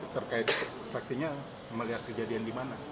terkait vaksinnya melihat kejadian di mana